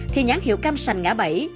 thì nhãn hiệu cam sành ngã bẫy